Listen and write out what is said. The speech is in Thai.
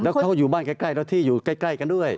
แล้วเขาก็อยู่บ้านใกล้แล้วที่อยู่ใกล้กันด้วย